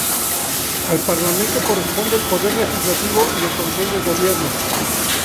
Al parlamento corresponde el poder legislativo y el control del gobierno.